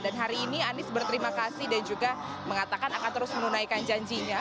dan hari ini anies berterima kasih dan juga mengatakan akan terus menunaikan janjinya